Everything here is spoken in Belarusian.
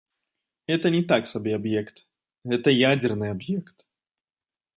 Гэта не так сабе аб'ект, гэта ядзерны аб'ект.